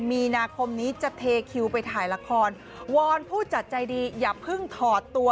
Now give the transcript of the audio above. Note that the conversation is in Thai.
มีนาคมนี้จะเทคิวไปถ่ายละครวอนผู้จัดใจดีอย่าเพิ่งถอดตัว